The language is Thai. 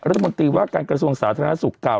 รัฐมนตรีว่าการกระทรวงสาธารณสุขกล่าว